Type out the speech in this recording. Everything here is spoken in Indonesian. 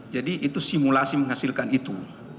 jadi itu simulasi menghasilkan itu